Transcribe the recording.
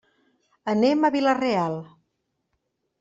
Anem a Vila-real.